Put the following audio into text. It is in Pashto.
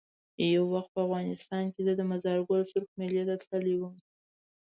یو وخت په افغانستان کې زه د مزار ګل سرخ میلې ته تللی وم.